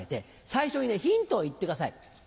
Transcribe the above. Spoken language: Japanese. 最初にヒントを言ってください。